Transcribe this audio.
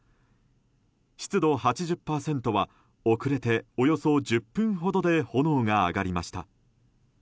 湿度８０％は遅れておよそ１０分ほどで炎が上がりました。